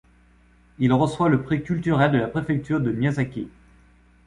Il reçoit le prix culturel de la préfecture de Miyazaki.